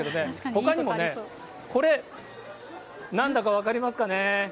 ほかにもね、これ、なんだか分かりますかね。